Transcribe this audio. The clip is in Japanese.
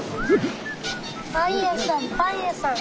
パンやさんパンやさん。